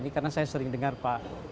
karena saya sering dengar pak